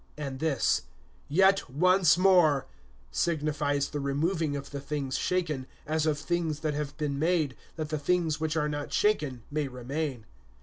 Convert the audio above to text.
(27)And this, Yet once more, signifies the removing of the things shaken, as of things that have been made, that the things which are not shaken may remain.